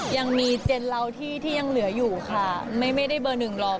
ยังมีเจนเราที่ยังเหลืออยู่ค่ะไม่ได้เบอร์หนึ่งหรอก